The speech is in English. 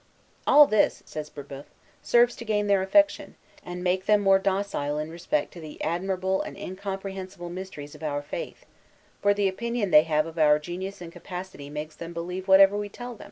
"All this," says Brébeuf, "serves to gain their affection, and make them more docile in respect to the admirable and incomprehensible mysteries of our Faith; for the opinion they have of our genius and capacity makes them believe whatever we tell them."